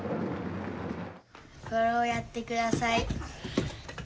これをやってください。